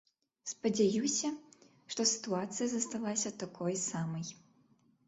Спадзяюся, што сітуацыя засталася такой самай.